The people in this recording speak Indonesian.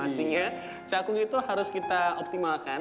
mestinya cakung itu harus kita optimalkan